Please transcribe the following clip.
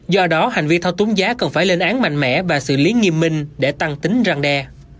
do đó hành vi thao túng giá cần phải lên án mạnh mẽ và xử lý nghiêm minh để tăng tính răng đe